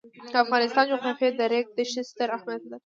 د افغانستان جغرافیه کې د ریګ دښتې ستر اهمیت لري.